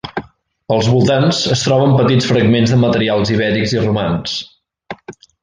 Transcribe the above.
Als voltants es troben petits fragments de materials ibèrics i romans.